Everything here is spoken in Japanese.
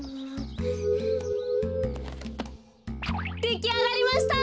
できあがりました。